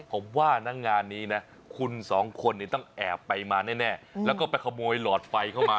ผมว่านะงานนี้นะคุณสองคนต้องแอบไปมาแน่แล้วก็ไปขโมยหลอดไฟเข้ามา